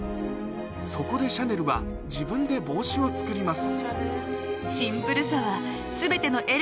そこでシャネルは自分で帽子を作ります